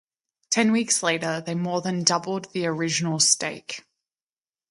Ten weeks later they more than doubled the original stake.